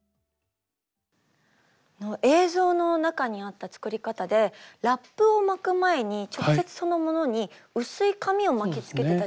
映像の中にあった作り方でラップを巻く前に直接そのものに薄い紙を巻きつけてたじゃないですか。